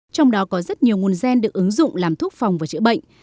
trong đó có rất nhiều nguồn gen được ứng dụng làm thuốc phòng và chữa bệnh